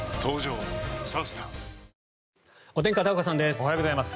おはようございます。